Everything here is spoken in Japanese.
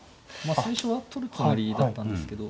最初は取るつもりだったんですけど。